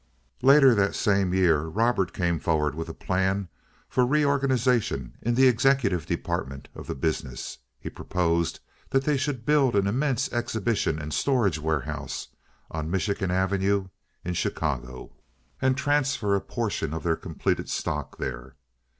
Later in this same year Robert came forward with a plan for reorganization in the executive department of the business. He proposed that they should build an immense exhibition and storage warehouse on Michigan Avenue in Chicago, and transfer a portion of their completed stock there.